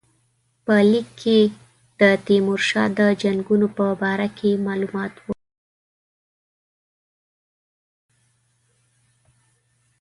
په لیک کې د تیمورشاه د جنګونو په باره کې معلومات وو.